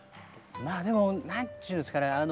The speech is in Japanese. まあでも何ちゅうんですかね